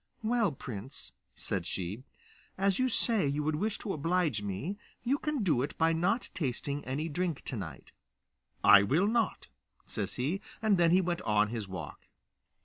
'Well, prince,' said she, 'as you say you would wish to oblige me, you can do it by not tasting any drink to night.' 'I will not,' says he, and then he went on his walk.